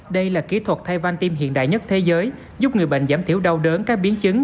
đây là kỹ thuật thay van tim hiện đại nhất thế giới giúp người bệnh giảm thiểu đau đớn các biến chứng